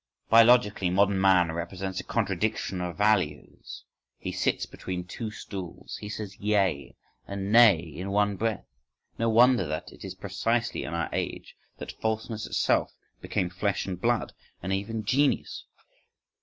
Biologically, modern man represents a contradiction of values, he sits between two stools, he says yea and nay in one breath. No wonder that it is precisely in our age that falseness itself became flesh and blood, and even genius!